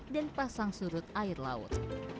dan pasang surut air laut